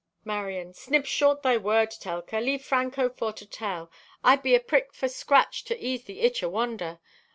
(Marion) "Snip short thy word, Telka. Leave Franco for to tell. I be aprick for scratch to ease the itch o' wonder.